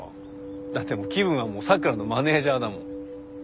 だってもう気分はもう咲良のマネージャーだもん。